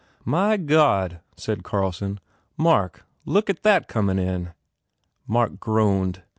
"My God," said Carlson, "Mark, look at that comin in!" Mark groaned.